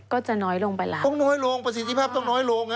ก็จะน้อยลงไปแล้วต้องน้อยลงประสิทธิภาพต้องน้อยลง